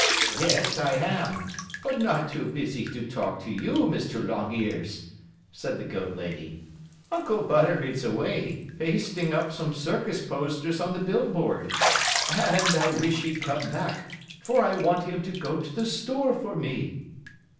"Yes, I am, but not too busy to talk to you, Mr. Longears," said the goat lady. "Uncle Butter is away, pasting up some circus posters on the billboard, and I wish he'd come back, for I want him to go to the store for me."